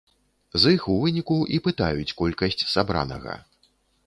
З іх у выніку і пытаюць колькасць сабранага.